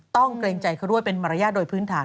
เกรงใจเขาด้วยเป็นมารยาทโดยพื้นฐาน